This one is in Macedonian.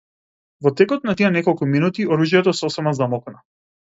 Во текот на тие неколку минути, оружјето сосема замолкна.